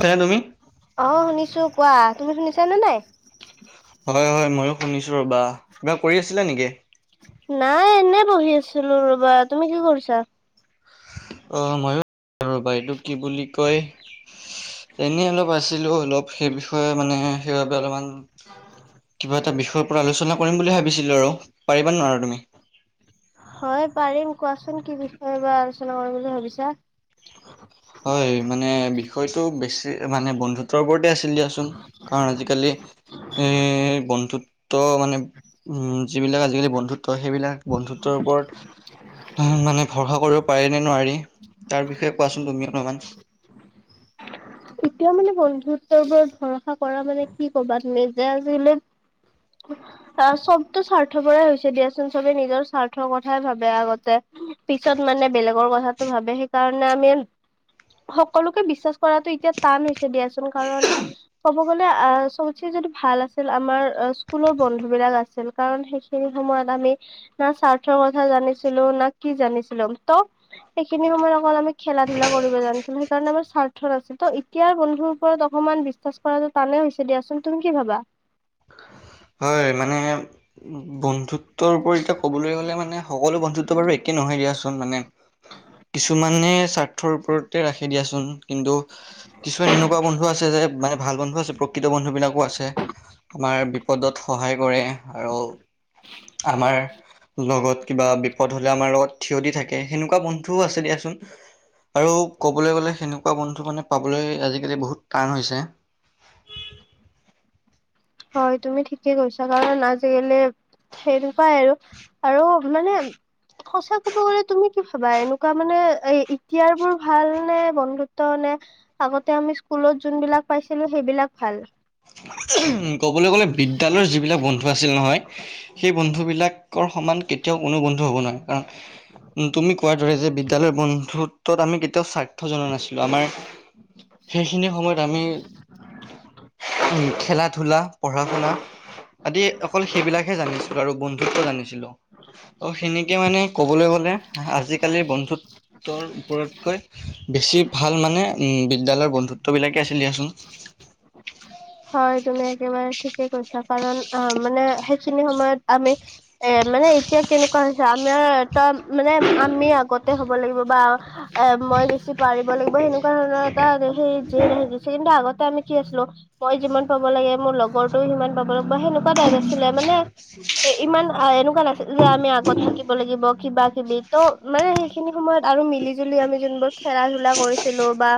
আছা তুমি? অ', শুনিছো কোৱা তুমি শুনিছানে নাই? হয় হয় ময়ো শুনিছো ৰ'বা কিবা কৰি আছিলা নেকি? নাই এনে বহি আছিলোঁ ৰবা, তুমি কি কৰিছা? অ', মইও বাইদেউ কি বুলি কয়? এনেই অলপ আছিলোঁ অলপ সেই বিষয়ে মানে সেইবাবে অলপমান কিবা এটা বিষয়ৰ পৰা আলোচনা কৰিম বুলি ভাবিছিলোঁ আৰু পাৰিবা নোৱাৰা তুমি? হয় পাৰিম কোৱাচোন কি বিষয়ে বা আলোচনা কৰিম বুলি ভাবিছা? হয় মানে বিষয়টো বেছি মানে বন্ধুত্বৰ ওপৰতে আছিল দিয়াচোন, কাৰণ আজিকালি এ বন্ধুত্ব মানে উম, যিবিলাক আজিকালি বন্ধুত্ব সেইবিলাক বন্ধুত্বৰ ওপৰত উম, মানে ভৰসা কৰিব পাৰি নে নোৱাৰি, তাৰ বিষয়ে কোৱাচোন তুমিও। [unintelligible] এতিয়াও মানে বন্ধুত্বৰবোৰত ভৰসা কৰা মানে কি কবা তুমি যে আজিলৈ। অ', চবতো স্বাৰ্থপৰে হৈছে দিয়াচোন, চবে নিজৰ স্বাৰ্থৰ কথাই ভাবে আগতে। পিছত মানে বেলেগৰ কথাটো ভাবে সেইকাৰণে আমি। সকলোকে বিশ্বাস কৰাতটো এতিয়া টান হৈছে দিয়াচোন, কাৰণ ক'ব গলে আ, চবতছে যদি ভাল আছিল আমাৰ স্কুলৰ বন্ধু বিলাক আছিল কাৰণ সেইখিনি সময়ত আমি না স্বাৰ্থৰ কথা জানিছিলো না কি জানি। ছিলো, ত' সেইখিনি সময়ত অকল আমি খেলা-ধূলা কৰিব জানাছিলো সেইকাৰণে আমাৰ স্বাৰ্থ নাছিল ত' এতিয়াৰ বন্ধুৰ ওপৰত অকমান বিশ্বাস কৰাটো টানেই হৈছে দিয়াচোন তুমি কি ভাবা? হয় মানে বন্ধু ত্বৰ ওপৰত এতিয়া ক'বলৈ গলে মানে সকলো বন্ধুটো বাৰু একে নহয় দিয়াচোন মানে কিছুমানে স্বাৰ্থৰ ওপৰতে ৰাখি দিয়াচোন কিন্তু কিছুমান এনেকুৱা বন্ধু আছে যে মানে ভাল বন্ধু আছে প্ৰকৃত বন্ধুবিলাকো আছে আমাৰ বিপদত সহায় কৰে আৰু আমাৰ লগত কিবা বিপদ হ'লে আমাৰ লগত থিয় দি থাকে, সেনেকুৱা বন্ধুও আছে দিয়াচোন। আৰু কবলৈ গলে সেনেকুৱা বন্ধু মানে পাবলৈ আজিকালি বহুত টান হৈছে। [inaudible] হয় তুমি ঠিকে কৈছা কাৰণ আজিকালি সেইটোপাই আৰু আৰু মানে। সঁচা কব গলে তুমি কি ভাবা এনেকুৱা মানে এ এতিয়াৰ বোৰ ভাল নে বন্ধুত্ব নে আগতে আমি স্কুলত যোনবিলাক পাইছিলোঁ সেইবিলাক ভাল? [inaudible] ক'বলৈ গ'লে বিদ্যালয়ৰ যিবিলাক বন্ধু আছিল নহয় সেই বন্ধুবিলাকৰ সমান কেতিয়াও কোনো বন্ধু হ'ব নোৱাৰে কাৰণ তুমি কোৱাৰ দৰে যে বিদ্যালয়ৰ বন্ধুত্বত আমি কেতিয়াও চাৰ ৰ্থ জনা নাছিলো আমাৰ সেইখিনি সময়ত আমি খেলা-ধূলা পঢ়া-শুনা। আদি অকল সেইবিলাকহে জানিছিলোঁ আৰু বন্ধুত্ব জানিছিলোঁ। অ', সেনেকে মানে কবলৈ গ'লে আজিকালিৰ বন্ধু ন্ধুত্বৰ ওপৰতকৈ বেছি ভাল মানে উম, বিদ্যালয়ৰ বন্ধুত্ব বিলাকে আছিল দিয়াচোন। হয় তুমি একেবাৰে ঠিকে কৈছা কাৰণ অ, মানে সেইখিনি সময়ত আমি এ মানে এতিয়া কেনেকুৱা হৈছে আমাৰ এটা মানে আমি আগতে হব লাগিব বা এ মই বেছি পাৰিব লাগিব সেনেকুৱা ধৰণৰ এটা সেই জেদ আহি গৈছে কিন্তু আগতে আমি কি আছিলোঁ মই যিমান পাব লাগে মোৰ লগৰটোও সিমান পাব লাগিব সেনেকুৱা টাইপ আছিলে মানে। ইমান এনেকুৱা নাছিল যে আমি আগত থাকিব লাগিব কিবা কিবি ত' মানে সেইখিনি সময়ত আৰু মিলি-জুলি আমি যোনবোৰ খেলা-ধূলা কৰিছিলো বা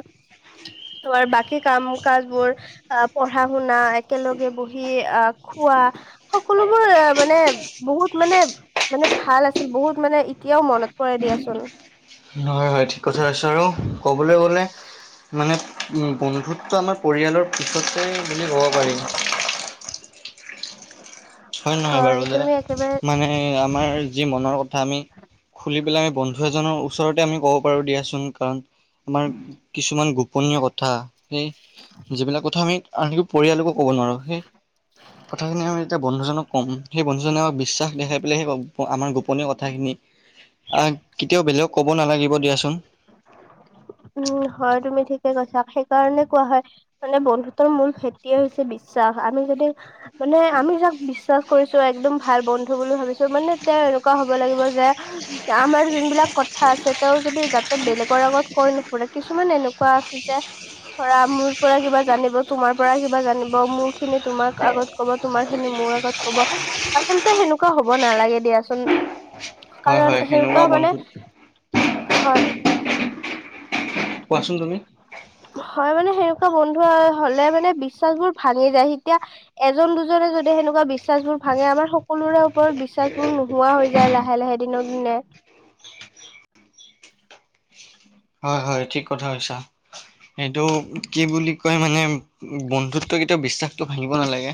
ত', আৰু বাকী কাম-কাজ বোৰ অ', পঢ়া-শুনা একেলগে বহি আ, খোৱা সকলোবোৰ মানে বহুত মানে মানে ভাল আছিল বহুত মানে এতিয়াও মনত পৰে দিয়াচোন। হয় হয় ঠিক কথা কৈছো আৰু ক'বলৈ গ'লে মানে বন্ধুত্ব আমাৰ পৰিয়ালৰ পিছতেই বুলি ক'ব পাৰি। হয় নহয় বাৰু যে তুমি একেবাৰে মানে আমাৰ যি মনৰ কথা আমি খুলি পেলাই বন্ধু এজনৰ ওচৰতে আমি ক'ব পাৰো দিয়াচোন কাৰণ আমাৰ কিছুমান গোপনীয় কথা সেই যিবিলাক কথা আমি আনকি পৰিয়ালকো ক'ব নোৱাৰো, সেই কথাখিনি আমি এতিয়া বন্ধুজনক কম সেই বন্ধুজনে আমাক বিশ্বাস দেখাই পেলাই সেই আমাৰ গোপনীয় কথাখিনি আ, কেতিয়াও বেলেগক ক'ব নালাগিব দিয়াচোন। কাৰণে কোৱা হয় মানে বন্ধুত্বৰ মূল সেতিয়ে হৈছে বিশ্বাস আমি যদি মানে আমি যাক বিশ্বাস কৰিছোঁ, একদম ভাল বন্ধু বুলি ভাবিছো মানে তেওঁ এনেকুৱা হ'ব লাগিব যে আমাৰ যোনবিলাক কথা আছে তেওঁ যদি এ বেলেগৰ আগত কৈ নুফুৰে কিছুমান এনেকুৱা আছে যে ধৰা মোৰ পৰা কিবা জানিব তোমাৰ পৰা কিবা জানিব মোৰ খিনি তোমাক আগত কব তোমাৰ খিনি মোৰ আগত কব আচল্ততে সেনেকুৱা হ'ব নালাগে দিয়া। দিয়া চোন হয় কাৰণ হয় সেনেকুৱা মানে বন্ধু হয় কোৱাচোন তুমি? হয় মানে সেনেকুৱা বন্ধু হলে মানে বিশ্বাস বোৰ ভাঙি যায় এতিয়া এজন দুজনে যদি সেনেকুৱা বিশ্বাস যোন ভাঙে আমাৰ সকলোৰে ওপৰত বিশ্বাসবোৰ নোহোৱা হৈ যায় লাহে-লাহে দিনক দিনে। হয়, হয় ঠিক কথা কয়চা এইটো কি বুলি কয় মানে বন্ধুত্ব কেতিয়াও বিশ্বাসটো ভাঙিব নালাগে।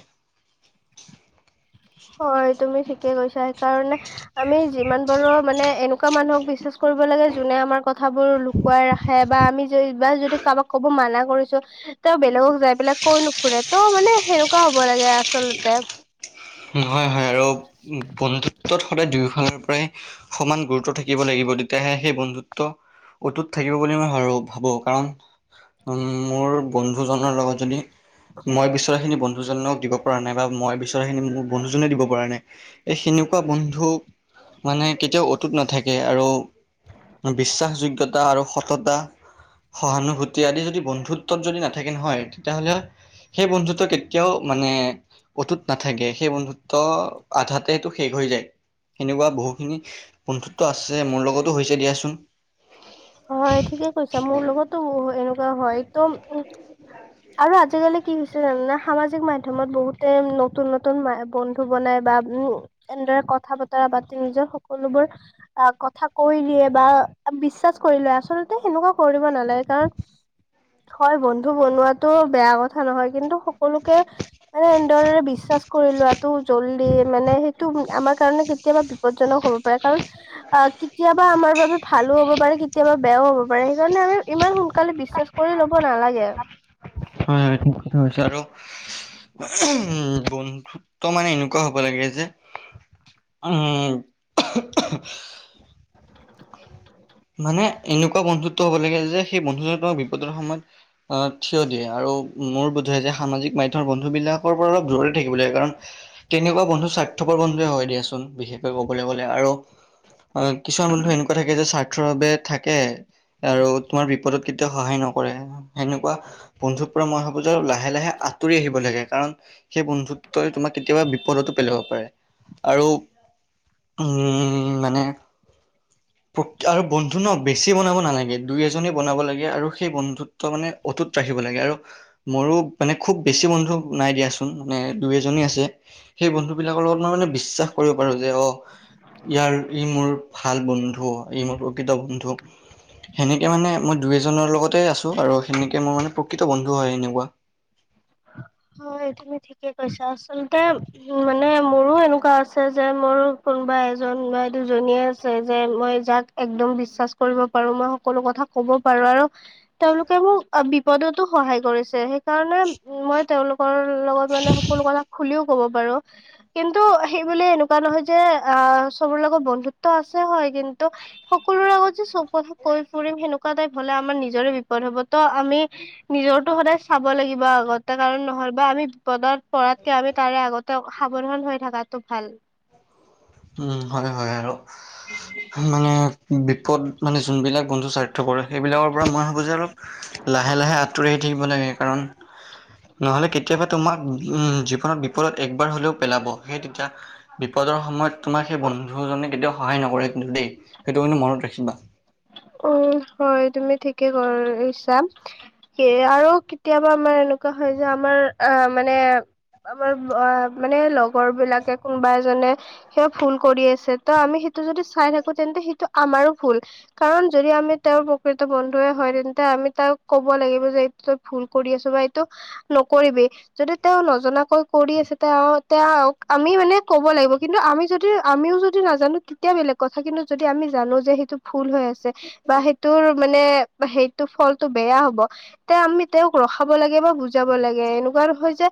হয় তুমি ঠিকে কৈছা কাৰণে আমি যিমান পাৰো মানে এনেকুৱা মানুহক বিশ্বাস কৰিব লাগে, যোনে আমাৰ কথাবোৰ লো লোকাই ৰাখে বা আমি বা যদি কাৰোবাক কব মানা কৰিছো তেওঁ বেলেগক যাই পেলাই কৈ নুফুৰে। ত, মানে সেনেকুৱা হ'ব লাগে আচলতে। নহয় হয় আৰু বন্ধুত্বত সদায় দুয়োফালৰ পৰাই সমান গুৰুত্ব থাকিব লাগিব তেতিয়াহে সেই বন্ধুত্ব অটুত থাকিব বুলি মই ভাবো কাৰণ উম, মোৰ বন্ধুজনৰ লগত যদি মই বিচৰা খিনি বন্ধুজনক দিব পৰা নাই বা মই বিচৰা খিনি মোক বন্ধু জনে দিব পৰা নাই এই সেনেকুৱা বন্ধুক মানে কেতিয়াও অটুত নাথাকে আৰু বিশ্বাসযোগ্যয়ত আৰু সততা সহানুভূতি আদি যদি বন্ধুত্বত যদি নাথাকে নহয় তেতিয়াহ'লে সেই বন্ধুতটো কেতিয়াও মানে অতুত নাথাকে। সেই বন্ধুত্ব আধাতে সেইটো শেষ হৈ যায়। সেনেকুৱা বহুখিনি বন্ধুত্ব আছে মোৰ লগতো হৈছে দিয়াচোন। হয় ঠিকে কৈছা মোৰ লগতো এনেকুৱা হয় ত আৰু আজিকালি কি হৈছে জানা নে সামাজিক মাধ্যমত বহুতে নতুন-নতুন বন্ধু বনাই বা উ কথা বতৰা পাতি নিজৰ সকলোবোৰ কথা কৈ দিয়ে বা বিশ্বাস কৰি লয় আচলতে সেনেকুৱা কৰিব নালাগে কাৰণ হয় বন্ধু বনোৱাতটো বেয়া কথা নহয় কিন্তু সকলোকে মানে এনেদৰে বিশ্বাস কৰি লোৱাতটো জল্দি মানে সেইটো আমাৰ কাৰণে কেতিয়াবা বিপদজনক হ'ব পাৰে। কাৰণ অ' কেতিয়াবা আমাৰ বাবে ভালো হ'ব পাৰে কেতিয়াবা বেয়াও হ'ব পাৰে সেইকাৰণে আমি ইমান সোনকালে বিশ্বাস কৰি ল'ব নালাগে। হয়-হয় ঠিক কথা হৈছে আৰু উম বন্ধুত্ব মানে এনেকুৱা হ'ব লাগে যে উম [inaudible] মানে এনেকুৱা বন্ধুত্ব হ'ব লাগে যে সেই বন্ধু যনে তোমাক বিপদৰ সময়ত অ থিয় দিয়ে আৰু মোৰ বোধয় আজি সামাজিক মাধ্মৰ বন্ধ বন্ধু বিলাকৰ পৰা অলপ দূৰেতে থাকিব লাগে কাৰণ তেনেকুৱা বন্ধু স্বাৰ্থপৰ বন্ধুৱে হয় দিয়াচোন। বিশেষকৈ কবলৈ গলে আৰু অ' কিছুমান বন্ধু এনেকুৱা থাকে যে স্বাৰ্থৰ বাবে থাকে আৰু তোমাৰ বিপদত কেতিয়াও সহায় নকৰে সেনেকুৱা বন্ধুৰ পৰা মই ভাবো যে লাহে-লাহে আঁতৰি আহিব লাগে কাৰণ সেই বন্ধুত্বই তোমাক কেতিয়াবা বিপদতো পেলাব পাৰে। আৰু উম মানে আৰু বন্ধু ন বেছি বনাব নালাগে দুই এজনেই বনাব লাগে আৰু সেই বন্ধুত্ব মানে অটুত ৰাখিব লাগে। আৰু মোৰো মানে খোব বেছি বন্ধু নায় দিয়া চোন মানে দুই এজনে আছে সেই বন্ধু বিলাকৰ লগত মই মানে বিশ্বাস কৰিব পাৰো যে অ' ইয়াৰ ই মোৰ ভাল বন্ধু। ই মোৰ প্ৰকৃত বন্ধু। সেনেকে মানে মই দুই এজনৰ লগতে আছো আৰু সেনেকে মোৰ মানে প্ৰকৃত বন্ধু হয় এনেকুৱা। [unintelligible] হয় তুমি ঠিকে কৈছা। আচলতে উ মানে মোৰো এনেকুৱা আছে, যে মোৰ কোনোবা এজন বা দুজনীয়ে আছে, যে মই যাক একদম বিশ্বাস কৰিব পাৰো। মই সকলো কথা ক'ব পাৰো। আৰু তেওঁলোকে মোক বিপদতো সহায় কৰিছে। কাৰণে উ মই তেওঁলোকৰ লগত মানে সকলো কথা খুলিও। ক'ব পাৰো। কিন্তু সেইবুলি এনেকুৱা নহয় যে আ চ'ব লগত বন্ধুত্ব আছে হয়। কিন্তু সকলৰে আগত যে চ'ব কথা কৈ ফুৰিম সেনেকা। তেনেকুৱা টাইপ হ'লে, আমাৰ নিজৰে বিপদ হ'ব। ত' আমি নিজৰটো সদায় চাব লাগিব আগত। টা কাৰণ নহয় বা আমি পদাত পৰাতকে আমি তাৰে আগত। তেওঁ সাৱধান হৈ থকাতটো ভাল। উম। হয়, হয় আৰু মানে বিপদত। বিত মানে যোনবিলাক বন্ধু স্বাৰ্থ কৰে। সেইবিলাকৰ পৰা মই ভাবোঁ যে অলপ লাহে লাহে আঁতৰি আহি থাকিব লাগে। সেইকাৰণ নহ'লে কেতিয়াবা তোমাক। উম। জীৱনত বিপদত একবাৰ হ'লেও পেলাব। সেই তেতিয়া বিপদৰ সময়ত তোমাক সেই বন্ধুজনে কেতিয়াও সহায় নকৰে কিন্তু দেই সেইটো কিুন্তু মনত ৰাখিবা। উম হয়। তুমি ঠিকে কৰিছা সে আৰু কেতিয়াবা আমাৰ। এনেকুৱা হয়, যে আমাৰ আহ মানে আমাৰ অ মানে লগৰ বিলাকে কোনোবা এজনে সি ভুল কৰি আছে, তো আমি টো যদি চাই থাকো। তেন্তে সেইটো আমাৰো ভুল। কাৰণ যদি আমি তেওঁৰ প্ৰকৃত বন্ধে হয়। তেন্তে আমি তাক ক'ব লাগিব যে এইটো তই ভুল কৰি আছ। সেইটো নকৰিবি। যদি তেওঁ নজনাকৈ কৰি আছে তেওঁ তেওঁ আমি মানে। ক'ব লাগিব। কিন্তু আমি যদি আমিও যদি নাজানো, তেতিয়া বেলেগ কথা কিন্তু যদি আমি জানো যে সেইটো। ভূল হৈ আছে বা সেইটোৰ মানে সেইটো ফলটো বেয়া হ'ব তে আমি। খাব লাগে বা বুজাব লাগে এনেকুৱা নহয় যে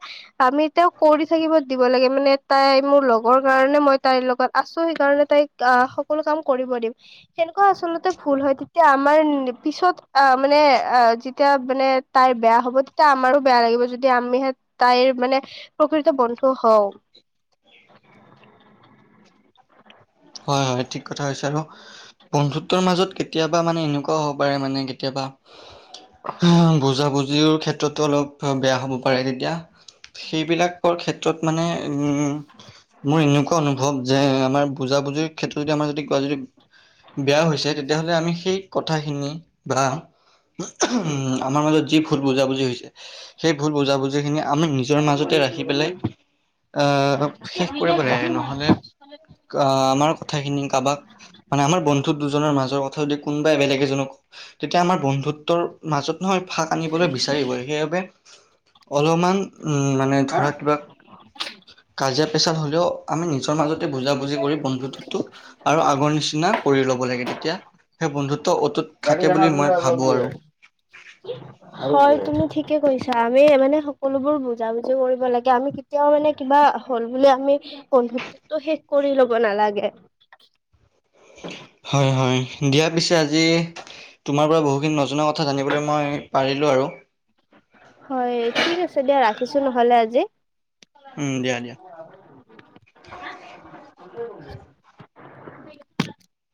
আমি তেওঁক কৰি থাকিব দিব লাগে। মানে তাই মোৰ লগৰ কাৰণে মই তাইৰ লগত আছো। সেইকাৰণে তাইক আহ সকলো কাম কৰিব দিম সেনে। আচলতে ভুল হয়। তেতিয়া আমাৰ পিছত অ মানে অ যেতিয়া মানে তাইৰ বেয়া। বেয়া হ'ব। তেতিয়া আমাৰো বেয়া লাগিব যদি আমি তাইৰ মানে প্ৰকৃত বন্ধু হওঁ। [unintelligible] হয়, হয় ঠিক কথা হৈছে বা। আৰু বন্ধুত্বৰ মাজত কেতিয়াবা মানে এনেকুৱাও হ'ব পাৰে। মানে কেতিয়াবা বুজাবুজিৰ ক্ষেত্ৰতো অলপ বেয়া হ'ব পাৰে। তেতিয়া সেইবিলাকৰ ক্ষেত্ৰত মানে উম মোৰ এনেকুৱা অনুভৱ, যে আমাৰ বুজাবুজিৰ ক্ষেত্ৰত যদি আমাৰ যদি কোৱা যদি বেয়া হৈছে। তেতিয়াহ'লে আমি সেই কথাখিনি বা উম। আমাৰ মাজত যি ভুল বুজাবুজি হৈছে সেই ভুল বুজাবুজি খিনি। আমি নিজৰ মাজতে ৰাখি পেলাই। আহ শেষ কৰিব লাগে নহ'লে অ আমাৰ কথাখিনি কাৰোবাক মানে আমাৰ বন্ধু দুজনৰ মাজৰ কথা য কোনোবাই বেলেগ এজনক। তেতিয়া আমাৰ বন্ধুত্বৰ মাজত নহয়, ফাঁক আনিবলৈ বিচাৰিবই। সেইবাবে অলপমান উম মানে হা ধৰা কিবা কাজিয়া পেচাল হ'লেও। আমি নিজৰ মাজতে বুজাবুজি কৰি বন্ধুতটো আৰু আগৰ নিচিনা কৰি ল'ব লাগে তেতিয়া সেই বন্ধুত [unintelligible] হয়, তুমি ঠিকে কৈছ আমি মানে সকলোবোৰ বুজা বুজি কৰিব লাগে আমি কেতিয়াও মানে কিবা হ'ল বুলি আমি টো শেষ কৰি ল'ব নালাগে হয় হয় দিয়া পিছে আজি আজি তোমাৰ পৰা বহুখিনি নজনা কথা জানিবলৈ মই পাৰিলো আৰু হয় ঠিক আছে দিয়া ৰাখিছো নহলে আজি উম দিয়া দিয়া। [unintelligible]